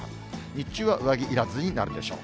日中は上着いらずになるでしょう。